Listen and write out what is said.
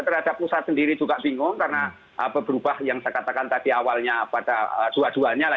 terhadap pusat sendiri juga bingung karena apa berubah yang saya katakan tadi awalnya pada dua duanya lah